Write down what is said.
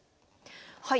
はい。